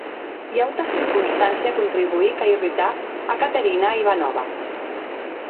Ua auta circonstància contribuic a irritar a Caterina Ivanovna.